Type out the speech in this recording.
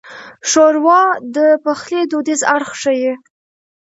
ښوروا د پخلي دودیز اړخ ښيي.